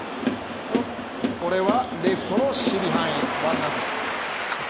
これはレフトの守備範囲。